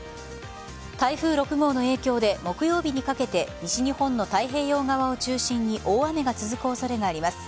台風６号の影響で木曜日にかけて西日本の太平洋側を中心に大雨が続く恐れがあります。